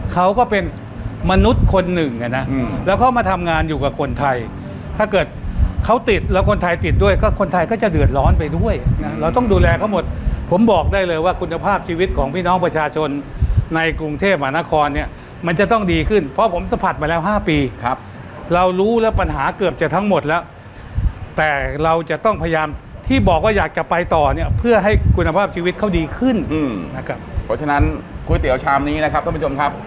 เขาก็เป็นมนุษย์คนหนึ่งนะแล้วเขามาทำงานอยู่กับคนไทยถ้าเกิดเขาติดแล้วคนไทยติดด้วยก็คนไทยก็จะเดือดร้อนไปด้วยเราต้องดูแลเขาหมดผมบอกได้เลยว่ากุณภาพชีวิตของพี่น้องประชาชนในกรุงเทพหวานครเนี่ยมันจะต้องดีขึ้นเพราะผมสะพัดมาแล้วห้าปีครับเรารู้แล้วปัญหาเกือบจะทั้งหมดแล้วแต่เราจะต้องพยายามที่บอกว่า